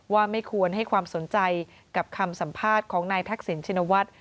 ไม่ควรให้ความสนใจกับคำสัมภาษณ์ของนายทักษิณชินวัฒน์